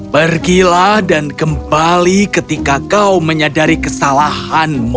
pergilah dan kembali ketika kau menyadari kesalahanmu